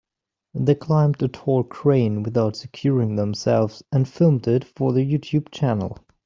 They climbed a tall crane without securing themselves and filmed it for their YouTube channel.